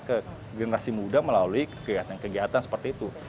ke generasi muda melalui kegiatan kegiatan seperti itu